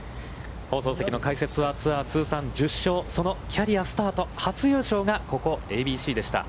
放送席の解説はツアー通算１０勝、そのキャリアスタート、初優勝が、ここ、ＡＢＣでした。